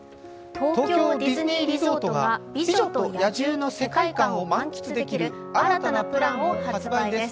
東京ディズニーリゾートが「美女と野獣」の世界観を満喫できる新たなプランを販売です。